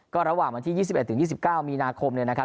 ก็ระหว่างวันที่๒๑๒๙มีนาคมเนี่ยนะครับ